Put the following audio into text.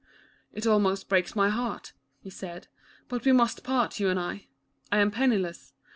" It almost breaks my heart," he said, " but we must part, you and I. I am penniless.